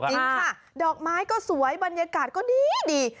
จริงค่ะดอกไม้ก็สวยบรรยากาศก็ดี